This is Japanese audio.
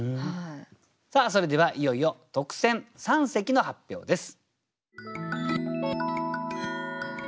さあそれではいよいよ特選三席の発表です。